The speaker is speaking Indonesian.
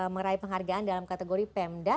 meraih penghargaan dalam kategori pemda